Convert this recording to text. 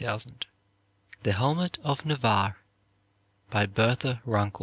165,000 "The Helmet of Navarre," by Bertha Runkle